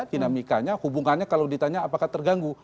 dinamikanya hubungannya kalau ditanya apakah terganggu